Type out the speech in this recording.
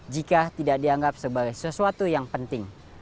jika tidak dianggap sebagai sesuatu yang penting